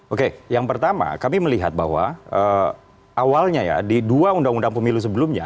oke yang pertama kami melihat bahwa awalnya ya di dua undang undang pemilu sebelumnya